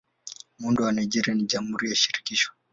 Muundo wa Nigeria ni Jamhuri ya Shirikisho.